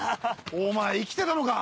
お前生きてたのか！